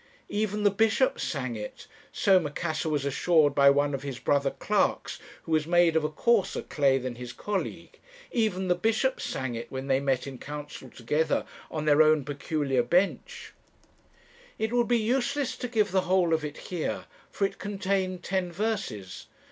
Even the Bishops sang it, so Macassar was assured by one of his brother clerks who was made of a coarser clay than his colleague even the Bishops sang it when they met in council together on their own peculiar bench. "It would be useless to give the whole of it here; for it contained ten verses.